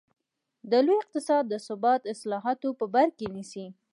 د لوی اقتصاد د ثبات اصلاحات په بر کې نیسي.